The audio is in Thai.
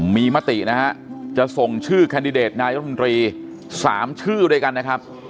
มีมตินะฮะจะส่งชื่อแคนดิเดตนายรัฐมนตรี๓ชื่อด้วยกันนะครับ